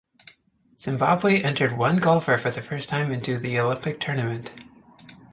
Zimbabwe entered one golfer for the first time into the Olympic tournament.